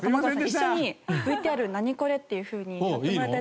一緒に「ＶＴＲナニコレ」っていうふうにやってもらいたい。